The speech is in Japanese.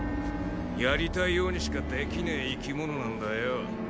やりたいようにしかできねえ生き物なんだよ。